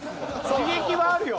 刺激はあるよ。